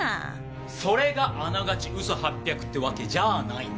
それがあながち嘘八百ってわけじゃないんです。